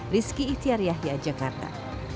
rizki ihtiar yahya jakarta